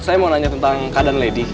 saya mau nanya tentang keadaan lady